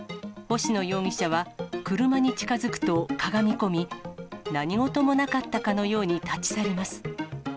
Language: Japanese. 星野容疑者は、車に近づくとかがみ込み、何事もなかったかのように立ち去ります。